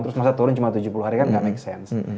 terus masa turun cuma tujuh puluh hari kan nggak make sense